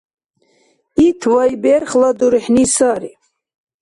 Ит вайберхла дурхӏни сари.